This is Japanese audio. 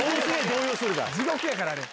地獄やからあれ。